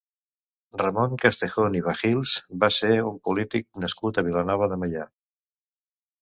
Ramon Castejón i Bajils va ser un polític nascut a Vilanova de Meià.